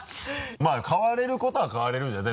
まぁ変われることは変われるんじゃない？